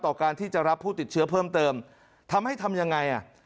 การที่จะรับผู้ติดเชื้อเพิ่มเติมทำให้ทำยังไงอ่ะ